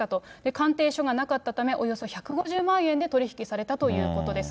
鑑定書がなかったため、およそ１５０万円で取り引きされたということです。